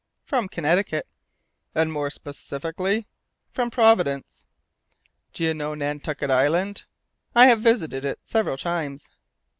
"From Connecticut." "And more specially?" "From Providence." "Do you know Nantucket Island?" "I have visited it several times."